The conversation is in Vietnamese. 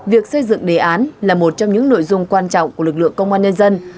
việc xây dựng đề án là một trong những nội dung quan trọng của lực lượng công an nhân dân